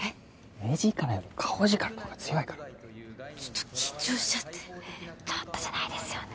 目力より顔力の方が強いからちょっと緊張しちゃってちょっとじゃないですよね